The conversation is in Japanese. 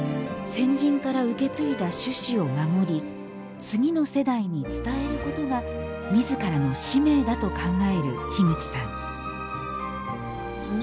先人から受け継いだ種子を守り次の世代に伝えることが自らの使命だと考える樋口さん。